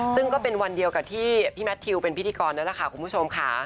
ซึ่งก็เป็นวันเดียวกับที่พี่แมททิวเป็นพิธีกรนั่นแหละค่ะคุณผู้ชมค่ะ